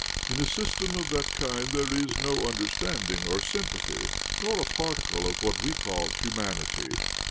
In a system of that kind there is no understand ing or sympathy, nor a particle of what we call humanity.